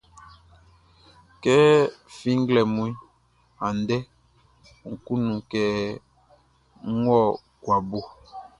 Kɛ fin nglɛmun andɛ, nʼkunnu kɛ nʼwɔ gua bo.